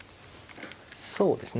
そうですね